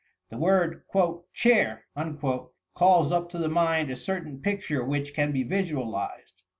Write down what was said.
The word "chair" calls up to the mind a certain picture which can he visualized.